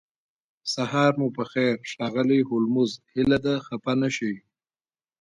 سهار مو پخیر ښاغلی هولمز هیله ده خفه نشئ